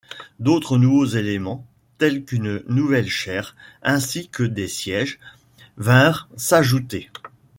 D'autres nouveaux éléments, tels qu'une nouvelle chaire ainsi que des sièges, vinrent s'ajouter.